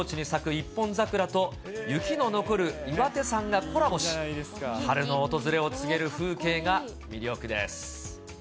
一本桜と雪の残る岩手山がコラボし、春の訪れを告げる風景が魅力です。